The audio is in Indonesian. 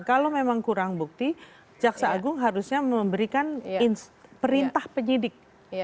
kalau memang kurang bukti jaksa agung harusnya memberikan perintah penyidik